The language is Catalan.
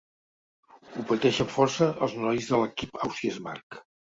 Ho pateixen força els nois de l'equip Ausiàs March.